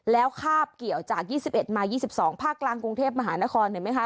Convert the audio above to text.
แล้วคาบเกี่ยวจาก๒๑มา๒๒ภาคกลางกรุงเทพมหานครเห็นไหมคะ